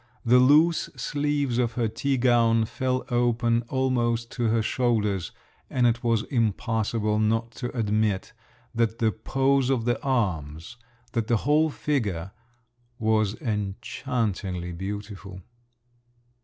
The loose sleeves of her tea gown fell open almost to her shoulders, and it was impossible not to admit that the pose of the arms, that the whole figure, was enchantingly beautiful.